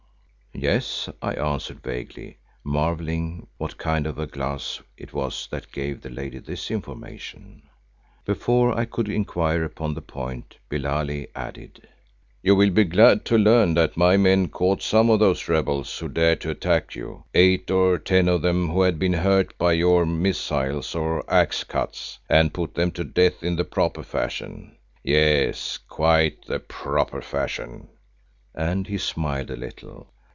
"Yes," I answered vaguely, marvelling what kind of a glass it was that gave the lady this information. Before I could inquire upon the point Billali added, "You will be glad to learn that my men caught some of those rebels who dared to attack you, eight or ten of them who had been hurt by your missiles or axe cuts, and put them to death in the proper fashion—yes, quite the proper fashion," and he smiled a little.